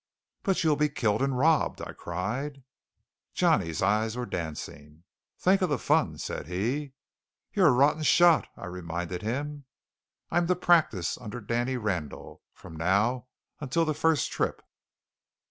"But you'll be killed and robbed!" I cried. Johnny's eyes were dancing. "Think of the fun!" said he. "You're a rotten shot," I reminded him. "I'm to practise, under Danny Randall, from now until the first trip."